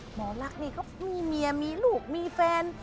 คนรักมีเมียมีลูกมีแฟน